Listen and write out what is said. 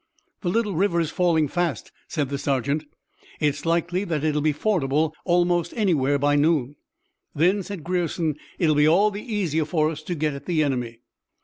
"The little river is falling fast," said the sergeant. "It's likely that it'll be fordable almost anywhere by noon." "Then," said Grierson, "it'll be all the easier for us to get at the enemy."